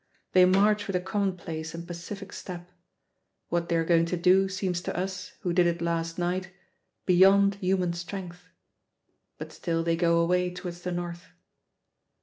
They march with a commonplace and pacific step. What they are going to do seems to us, who did it last night, beyond human strength. But still they go away towards the north.